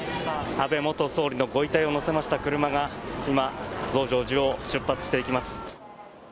安倍元総理のご遺体を乗せました車が今、増上寺を出発していきます。